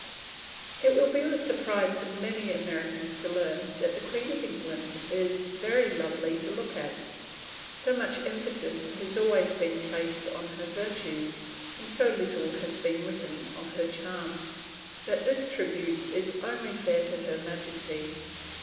It will be a surprise to many Americans to learn that the Queen of England is very lovely to look at. So much emphasis has always been placed on her virtues, and so little has been written of her charm, that this tribute is only fair to Her Majesty.